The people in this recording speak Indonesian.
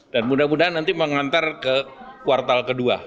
dan mudah mudahan nanti mengantar ke kuartal kedua